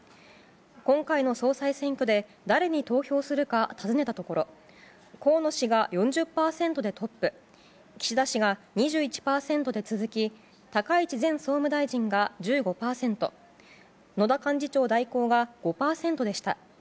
今回の総裁選挙で誰に投票するか尋ねたところ河野氏が４０％でトップ岸田氏が２１％で続き高市前総務大臣が１５％野田幹事長代行が５％でした。